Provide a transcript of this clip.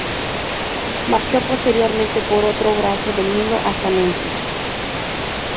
Marchó posteriormente por otro brazo del Nilo hasta Menfis.